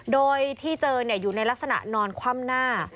โดยที่เจออยู่ในลักษณะนอนคว่ำหน้า